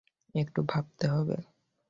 একটু ভাবতে হবে।